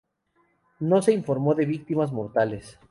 No se informó de víctimas mortales.